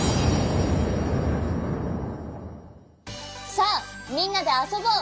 さあみんなであそぼう。